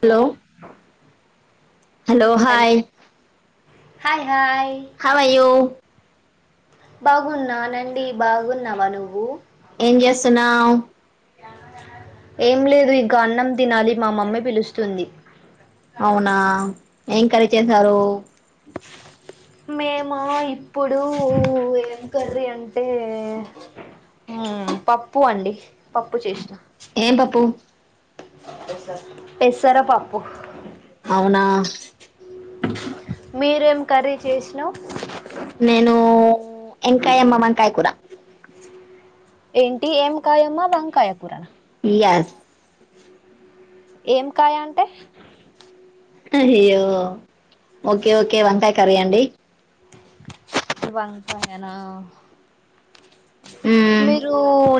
Hello hello hi హ how are you బాగున్నానండి బాగున్నావా నువ్వు ఏంచేస్తునవ్ ఏం లేదు ఇక అన్నం తినాలి మా మమ్మీ పిలుస్తుంది అవునా ఏంకర్రీ చేసారు మేము ఇప్పుడు ఏం కరీ అంటే పప్పు అండి పప్పు చేసినా ఏం పాపుూ పసార పాపు అవునా మీరేం కర్రీ చేసినా నేను ఎంకాయ అమ్మమకాయ కూరా ఏంటి ఏం కాయమ్మా బం కాయకుర ఎస్ ఏం కాయ అంటే య్యో ఓకే ఓకే వంతా కర అండి బతనా మ్మ్. మీరు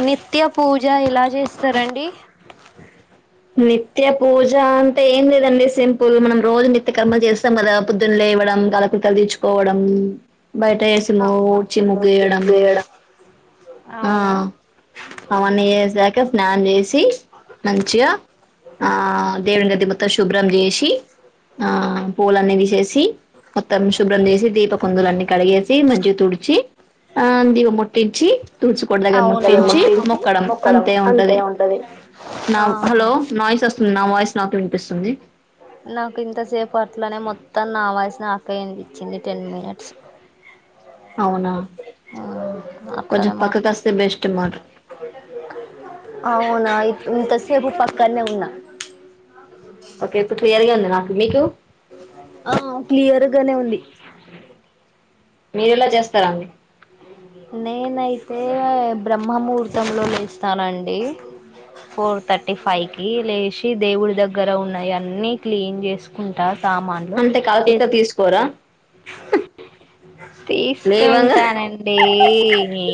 నిత్య పూజ ఇలా చేస్తారండి నిత్య పూజ అంటే ఏం లేదండి సింపుల్ మనం రోజు నిత్య కర్మలు చేస్తాం కదా పొద్దున లేవడం కలకకలు తీచ్చుకోవడం బయట వేసి ఆ, డ్చి రోజు ముగియడం చేయడం ఆ అవును అవన్ ఇసాక స్నాన్ చేసి మంచిగా ఆ దేవుని గది మొత్తం శుభ్రం చేసి ఆ పూలన్నదిసేసి మొత్తం శుభ్రం చేసి దీప కుందులన్నీ కడిగేసి మగా తుడిచి ఆ ద ముట్టించి తుడిచుకో దగ్గర ముట్టించి మొక్కడం అంతే ఉంటది నా ఆహా హలో వస్తుంది నా వాయిస్ నాకి వినిపిస్తుంది నాకు ఇంతసేపు అట్లనే మొత్తం నా వసు నా అక్కయ అనిపించింది టెన్ మినిట్స్ అవునా కొంచెం అట్లనే పక్కకు మాత్ర వస్తే బెస్ట్ మాట అవునాంతసపుప్ప కన వున్నా ఓకే ఇప్పుడు క్లియర్ గా ఉంది నాకు మీకు ఆ క్లియర్గానే ఉంది మీరేలా చేస్తారడి నేనైతే బ్రహ్మముహూర్తంలో లేస్తానండి ఫోర్ థర్టీ ఫైవ్కి లేచి దేవుడి దగ్గర ఉన్నాయి అన్నీ క్లీన్ చేస్త చసుకుంటా సామాన్లు అంటే కాలకృత్య తీసుకోరా లేవంగా తీసుకుంటానండి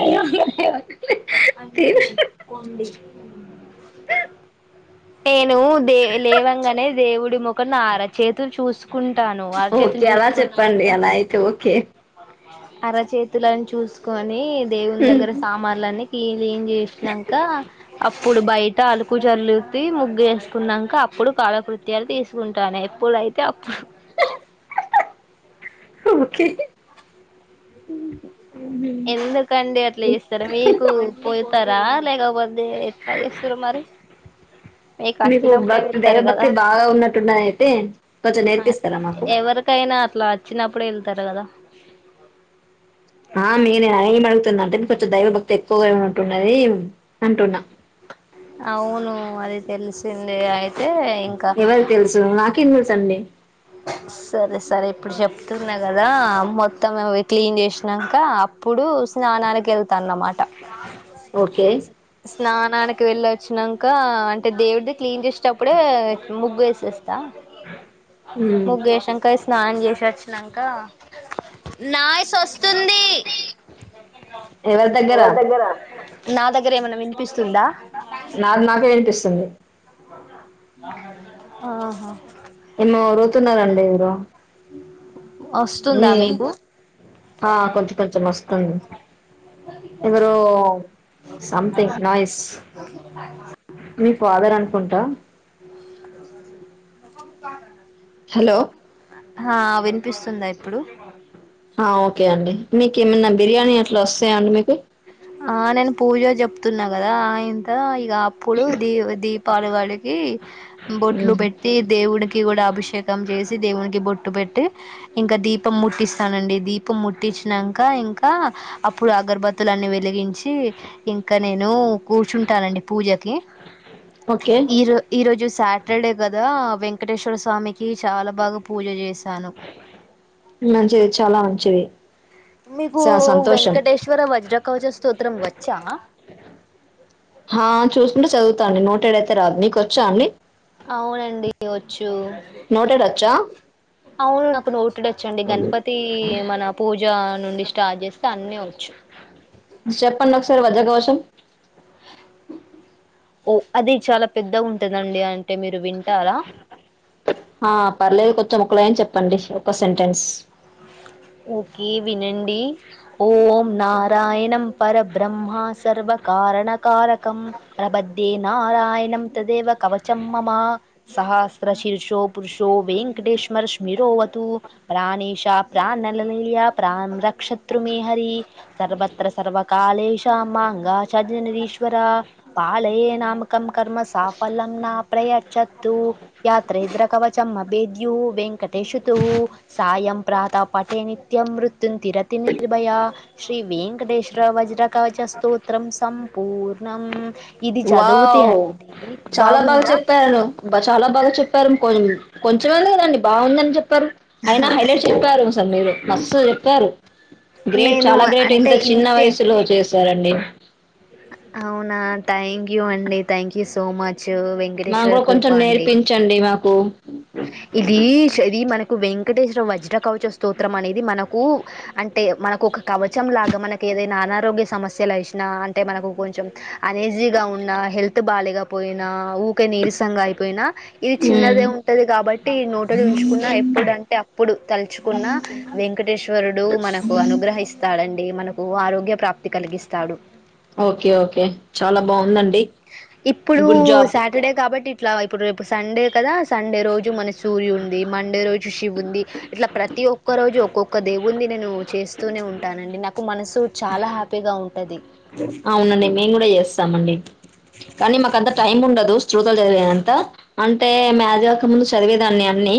లేవంగా లేవంగా అంగ కొండడి టెల్ నువు దే లేవంగానే దేవుడి ముఖన అరచతు చూసుకుంటాను ఓకే అరచతుని అలా చెప్పండి చూసుకున్నాక అలా అయితే ఓకే అరచేతులలను చూసుకొని దేవుని దగ్గర సామాన్లని చేసాక అప్పుడు బయట అలుకు చల్లుత ముగ్గు వేసుకున్నాక అప్పుడు కళకృత్యాలు తీసుకుంటాను ఎప్పుడైతే అప్పుడు ఓకే హ ఎందుకండి అట్లా చేస్తారా మీకు పోతారా లేకపోతే అదే ఎట్లా చేస్తారు మరి మీకు వచ్చినప్పుడే భక్తి వెళ్తారు కదా దైవభక్తి బాగా ఉన్నట్టున్నదయితే కొంచెం నేర్పిస్తారా మాకు ఎవరికైనా అట్లా వచ్చినప్పుడే వెళతారు కదా ఆ నేనే అయినా అడు అంటే కొంచెం దైవభక్తి ఎక్కువగానే ఉంటున్నది అంటున్నా అవును అది తెలిసిందే అయితే ఇంకా ఎవరికి తెలుసు మాకు క్లీన్చేస్తుండే సరే సరే ఇప్పుడు చెప్తున్నా కదా మొత్తం అవి క్లీన్ చేసినాక అప్పుడు స్నానానికి వెళ్తాను అన్నమాట ఓకే స్నానానికి వెళ్ళ వచ్చాక అంటే దేవుడి క్లీన్ చేసేటప్పుడే ముగ్గు వే చేస్తా మ్మ్ ముగ్గేశాంక స్నానం చేసి వచ్చినాక కా నాఇష్ తోస్తుంది ఎవరి దగ్గర నా దగ్గరే ఎం వినిపిస్తు నాకు నాకే వినిపిస్తుంది ఆహా ఏన్నో వొర్లుతున్నరండి ఎవరో మీ వస్తుందా మీకు ఆ కొంచెం కొంచెం వస్తుంది ఎవరో సంథింగ్ నాయిస్ మీ ఫాదర్ అనుకుంటా హలో హ వి వినిపిస్తుందా ఇప్పుడు ఆ ఓకే అండి నీకేమైనా బిర్యానీ వస్తాయా అండి మీకు ఆ నేను పూజ చెప్తున్నా కదా ఎంత ఇ అప్పుడు దీ దీ కాళ్లు కాలింది బొట్లు మ్మ్ పెట్టి దేవుడినికి కూడా అభిషేకం చేసి దేవునికి బొట్ బొట్లు పెట్టి ఇంకా దీపం ముట్టిస్తానండి దీపం ముట్టిచ్చినాక ఇంకా అప్పుడు అగర్బత్తులన్నీ వెలిగించి ఇంకా నేను కూర్చుంటానండి పూజకి ఓకే ఈరో ఈరోజు సాటర్డే కదా వెంకటేశ్వర స్వామికి చాలా బాగా పూజ చేశాను మంచిది చాలా మంచిది మీకు చా సంతోషం వెంకటేశ్వర వజ్రకవచ స్తోత్రం వ చ్చ ఆ చూసుకుంటే చదువుతా అండి నోటెడ్ అయితే రాదు మీకు వచ్చా అండి అవునండి వచ్చు నోటెడ్ వచ్చా అవును నాకు నోటిడ్ వచ్చండి గణపతి మన పూజ నుండి స్టార్ట్ చేస్తే అన్నీ వ చ్చు చెప్పండి ఒకసారి వజ్రఘోషం ఓ అది చాల ఆ పర్లేదు కొంచెం ఒక లైన్ చెప్ చెప్పండి ఒక సెంటెన్స్ ఓకే వినండి ఓం నారాయణం పరబ్రహ్మ సర్వ కారణకారక కం ప్రబధే నారాయణం తదేవ కవచం మమా సహస్ర శీర్షో పురుషో వెంకటేశమర స్మిరోవతు ప్రాణేషాప్ ప్రా నలలీల ప్రాణ రక్షత్రృ మేహరి సత్ర సర్కాాలేశా మాంగా చజనిరీశ్వరా పాళయ నామకం కర్మ సాఫల్యం నా ప్రయచ్చత్తు యాత్రిద్రకవచం అభేద్యు వెంకటేేశుతు సాయం ప్రాతప్ పటే నిత్యం మృత్యుం తిరతి నిర్భయ శ్రీ వెేంకటేశ్వర వజ్రకవచ స్తోత్రం సంపూర్ణం ఇది చదువుతే వావ్ అండి చాలా బాగా బాగుందా చెప్పారు అబ్బా చాలా బాగా చెప్పారు కొ కొంచెమే ఉంది కదా అండీ బాగుందని చెప్పి పరు అయిన హైలైట్ చెప్పారు అసలు మీరు మస్త్ చెప్పారు గ్రేట్ నేను చాలా గ్రేట్ అంటే ఇంత చిన్న ఇంతే వయసులో చేస్ చ్చరండి అవునా థాంక్యూ అండి థ్యాంక్ యూ సో మచ్ మాకు వెంకటేశ్వర కూడా కృప కొంచెం అండి నేర్పించండి మాకు ఓ ఇది చది మన కు వెంకటేశ్వరం వజ్రకవచ స్తోత్రం అనేది మనకు అంటే మనకు ఒక కవచం లాగా మనకు ఏదైనా అనారోగ్య సమస్యలు వచ్చిన అంటే మనకు కొంచెం అనేజీగా ఉన్నా హెల్త్ బాలేక పోయినా ఊకె నీరసంగా అయిపోయినా ఇది ఉమ్ చిన్నదే ఉ కాబట్టి నోటలు ఉంచుకున్నా ఎప్పుడు అంటే అప్పుడు తలుచుకున్నా వెంకటేశ్వరుడు మనకు అనుగ్రహిస్తాడు డే మనకు ఆరోగ్య ప్రాప్తి కలిగిస్తాడు ఓకే ఓకే చాలా బాగుంది అం ఇప్పుడు సాటర్డే కాబట్టి ఇట్లా ఇప్పుడు రేపు సండే కదా సండే రోజు మనసు సూర్యునిది మండే రోజు శి ఇవి ఉంది ఇట్లా ప్రతి ఒ ఒక్క రోజు ఒక్కొక్క దేవున్ని నేను చేస్తూనే ఉంటానండి నాకు మనసు చాలా హ్యాపీగా ఉం అవును అండీ మేము కూడా చేస్తామండి కానీ మాకు అంత టైమ్ ఉండదు చూతలు చదివే అంతా అం అంటే మేజవక ముందు చదివేదాన్ని అన్ని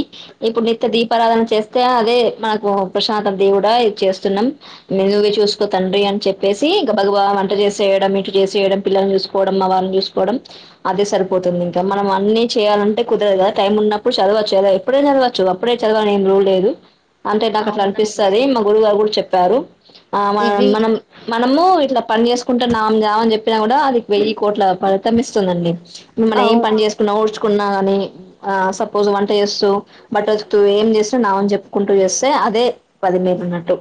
ఇప్పుడు నిత్య దీపారాధన చేస్తే అదే మనకు ప్రశాంత దేవుడా ఇది చేస్తున్నాం మెనుగా చూసుకో తండ్రి అని చెప్పేసి ఇంకా భగవా వంట చేసేయడం ఇటు చేసేయడం పిల్లల్ని చూసుకోవడం మా వాళ్ళని చూసుకోవడం అదే సరిపోతుంది ఇంకా మనం అన్ని చేయాలంటే కుదరదు కదా టైం ఉన్నప్పుడు చదవచ్చు కాద ఇప్పుడే చదవచ్చు అప్పుడే చదవాలని ఏం రూల్ లేదు అంటే నాకు అట్లా అవునండి అనిపిస్తది మా గురువు గారు కూడా చెప్పారు ఆ మనం ఇవి మనం మనము చేసుకుంటున్నాం జామ చెప్పినా కూడా అది వెయ్యి కోట్ల ఫలితం ఇస్తుంది అండీ మనం ఏ అవు పని చేసుకున్నా ఉడుచు కున్న గాని ఆ సపోజ్ వంట చేస్తూ బట్టలు ఉతుకుతూ ఏమ్ చేస్తున్నావ్ అని చే కుంటూ చేస్తే అదే పది మీ ఉన్నట్టు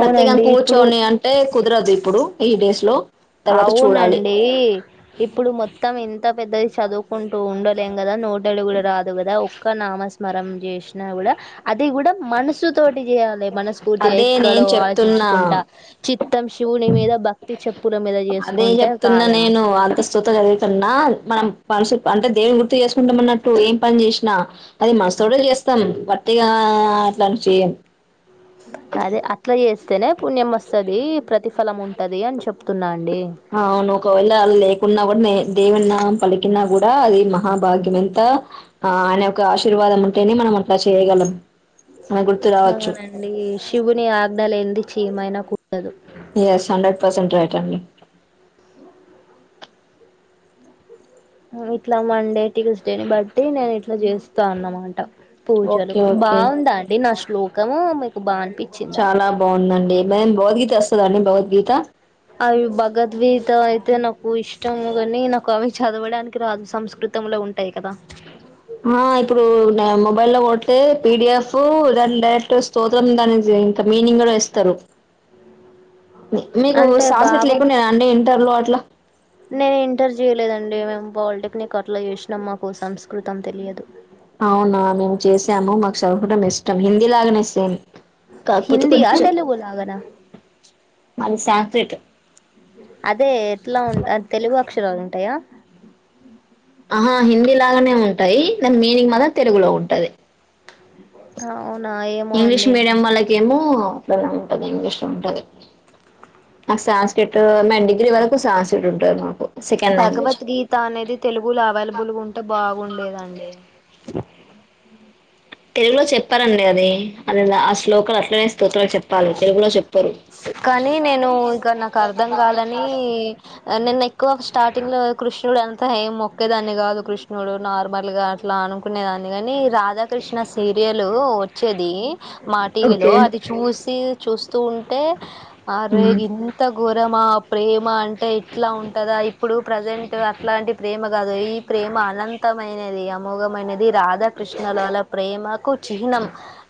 ప్రత్యేకంగా ఇప్పుడు కూర్చోని అంటే కుదరదు ఈ డేస్ లో అవునండి ఇప్పుడు మొత్తం ఇంత పెద్దది చదువుకుంటూ ఉండలేం కదా నోట్ దళగుడ రాదు కదా ఒక్క నమ స్మరం చేసి కూడా అది కూడా మనసు తోటి చేయాలి మనస్ఫూర్తిగా అదే ఎక్కడో నేను చెప్తున్నా ఆలోచించుకుంటా చి మొత్తం శివుని మీద భక్తి చెప్ అదే చెప్తున్నా నేను అంతస్తుత చదువుతున్నా మనం మనసు అంటే దేవుని గుర్తు చేసుకుంటామన్నట్టు ఏం పని చేసినా అది మనసుతోడే చేస్తాం పటిగా అట్లా చె అదే అట్లా చేస్తేనే పుణ్యం వస్తది ప్రతిఫలం ఉంటది అని చెప్తున్నాను అవును ఒకవేళ లేకుండా నేన్ దేవన్న పలికినా కూడా అది మహాభాగ్యం ఎంత ఆ ఆయన యొక్క ఆశీర్వాదం ఉంటేనే మనం అట్లా చేయగలం మన గుర్తు రావచ్చు అవునండి శివుని ఆజ్ఞలు ఎంది ఎమైన కు ఎస్ హండ్రెడ్ పర్సెట్ రైట్ అండి ఇట్లా మండే ట్యూస్డేని బట్టి నేను ఇట్లా చేస్తా అనమాట పూజలు ఓకే ఓకే బాగుందా అండి నా శ్లోకము మీకు బా అనిపిచిందా వస్తది అండి భవద్గీత అవి భగద్గీత అయితే నాకు ఇష్టము కాని నాకు అవి చదవడానికి రాదు సంస్కృతంలో ఉంటాయి కదా ఆ ఇప్పుడు మొబైల్ లో కొడితే పిడిఎఫ్ దాని డైరెక్ట్ స్తోత్రం దాని ఇంత మీనింగ్ కూడా ఇస్తారు మి-మీకు అంటే సార్స్ గిట్ల భావం లేకుండేన అండి ఇంటర్ లో అట్ల నేను ఇంటర్ చేయలేదండి మేము పాలిటెక్నిక్ అట్ల చేసినాం మాకు సంస్కృతం తెలియదు అవునా మేము చేసాము మాకు చదుకటం ఇష్టం హిందీ లాగానే సేమ్ కాకపోతే హిందీ ఆ తెలుగులాగానా మన సాంస్క్రిట్ అదే ఎట్లా ఉంట అంటే తెలుగు అక్షర ఉంటాయా ఆహా హిందీ లాగానే ఉంటాయి దాని మీనింగ్ మాత్రం తెలుగులో ఉంటది అవునా ఏమో ఇంగ్లీష్ అండి మీడియం వాళ్ళకేమో అట్లనే ఉంటది ఇంగ్లీష్ లో ఉంటది నాకు సాంస్క్రిట్ మే డిగ్రీ వరకు సాంస్క్రిట్ ఉంటుంది మాకు సెకండ్ లాంగ్వేజ్ భగవద్గీత అనేది తెలుగులో అవైలబుల్గా ఉంటే బాగుండేదండి తెలుగులో చెప్పారండి అది అది ఆ శ్లోకాలు అట్లనే స్తోత్రాల చెప్పాలి తెలుగులో చెప్ కానీ నేను ఇక నాకు అర్థం కాదని నిన్న ఎక్కువ స్టార్టింగ్ లో కృష్ణుడు అం త ఏం మొక్కేదాన్ని కాదు కృష్ణుడు నార్మల్ గా అట్లా అనుకునేదాన్ని గాని రాధాకృష్ణ సీరియల్ వచ్చేది మా టీవీ లో ఓకే అది చూసి చూస్తూ ఉం ఆ రే ఉమ్, ఇంత ఘోరమా ప్రేమ అంటే ఇట్లా ఉంటదా ఇప్పుడు ప్రజెంట్ అట్లాంటి ప్రేమ కాదు ఈ ప్రేమ అనంతమైన అది అమోగమైన ది రాధాకృష్ణల వాళ్ళ ప్రేమకు చిహ్నం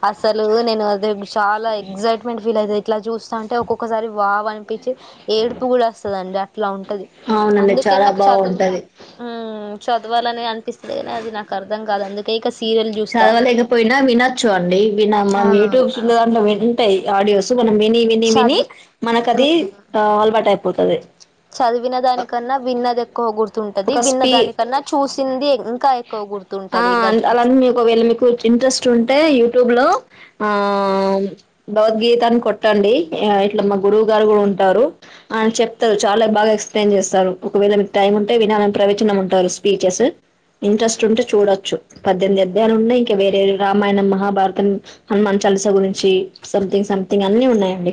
అస్ అసలు నేను అదే చాలా ఎక్సైట్మెంట్ ఫీల్ అయి ఇట్ల చూస్ ఉంటే ఒక్కొక్కసారి వావ్ అని పిచి ఏడుపు కూడా వస్తదండి ఇట్ల ఉం టది అవునండి అందుకే చాలా నాకు చదువు బాగుంటది ఉమ్ చదవాలని అనిపిస్తది కాని అది నాకు అర్థం కాదు అందుకే ఇక సీరియల్ చూస్తా చదవలేకపోయినా వినచ్చు అండి వినం ఆ మనం యూట్యూబ్స్ లో దాంట్లో విన్ ఉంటయి ఆడియోస్ మనం విని విని విని చది మనకది ఉమ్ ఆ అలవాటు అయిపోతది చదివిన అ దానికన్నా విన్నది ఎక్కువ గుర్తుంటది ఒక విన్న స్పీ దానికన్నా చూసింది ఇంకా ఎక్కువ ఆ గుర్తుంటది ఇంకా అలానీ మీకు ఒకవేళ మీకు ఇంట్రెస్ట్ ఉంటే యూట్యూబ్ లో ఆ భగవద్గీతని కొట్టండి ఇట్లా మా గురువు గారు కూడా ఉంటారు ఆ చెప్తారు చాలా బాగా ఎక్సప్లేన్ చేస్తారు ఒకవేళ మీకు టైం ఉం టె వినాలని ప్రవచనం ఉంటారు స్పీచెస్ ఇంట్రెస్ట్ ఉంటే చూడొచ్చు పద్దెనిమిది అధ్యాయలు ఉన్నాయి ఇంకా వేరే రామాయణం మహాభారతం హనుమాన్ చాలీస గురించి సంథింగ్ సంథింగ్ అన్ని ఉన్నాయండి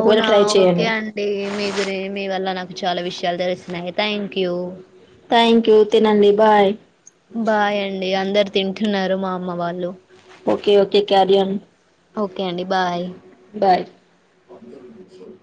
ఒకవేళ ట్రై ఓకే చేయండి. అండి మీ గురి మీ వల్ల నాకు చాలా విషయలు తేలుస్తున్నయి థ్యాంక్యూ యూ థ్యాంక్ యూ తీనండి బాయ్ బాయ్ అండి అందరూ తింటున్నారు మా అమ్మ వాళ్ళు ఓకే ఓకే క్యారియాన్ ఓకే అండి బాయ్ బాయ్ [inaudible]